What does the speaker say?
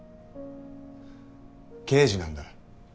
刑事なんだ